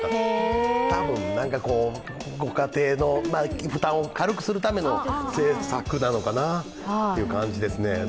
多分、ご家庭の負担を軽くするための政策なのかなっていう感じですね。